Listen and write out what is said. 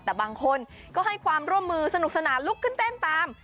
แต่บางคนก็ให้ความร่วมมือสนุกสนานลุกขึ้นเต้นตาม